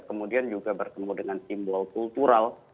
kemudian juga bertemu dengan simbol kultural